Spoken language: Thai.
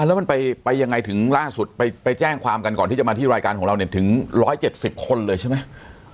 แล้วมันไปยังไงถึงล่าสุดไปแจ้งความกันก่อนที่จะมาที่รายการของเราเนี่ยถึง๑๗๐คนเลยใช่ไหม